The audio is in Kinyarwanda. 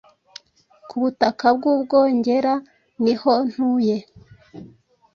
ku butaka bw’Ubwongera niho ntuye